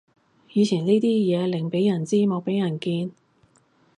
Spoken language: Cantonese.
以前呢啲嘢寧俾人知莫俾人見